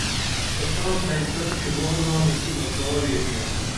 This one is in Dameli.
تساں تھئی سن شوباں نامہ کی بہ کا ویبِیاں